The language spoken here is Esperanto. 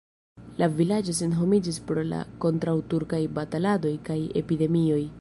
La vilaĝo senhomiĝis pro la kontraŭturkaj bataladoj kaj epidemioj.